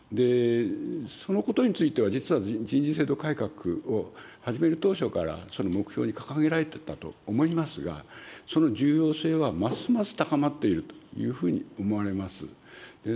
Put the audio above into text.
そのことについては、実は、人事制度改革を始める当初から目標に掲げられていたと思いますが、その重要性はますます高まっているというふうに思われます。